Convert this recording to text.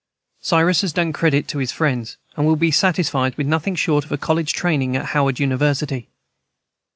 Cyrus has done credit to his friends, and will be satisfied with nothing short of a college training at Howard University.